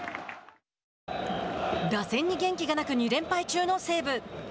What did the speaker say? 打線に元気がなく２連敗中の西武。